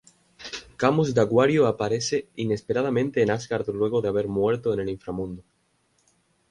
Camus de Acuario aparece inesperadamente en Asgard luego de haber muerto en el Inframundo.